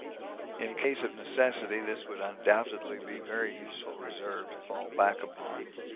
In case of necessity this would undoubtedly be a very useful reserve to fall back upon.